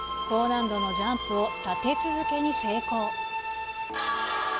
高難度のジャンプを立て続けに成功。